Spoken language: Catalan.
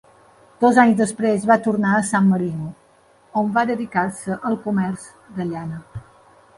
Dos anys després va tornar a San Marino, on va dedicar-se al comerç de llana.